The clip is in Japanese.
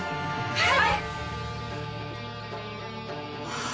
はい！